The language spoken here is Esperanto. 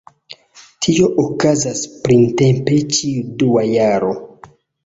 Tio okazas printempe ĉiu dua jaro.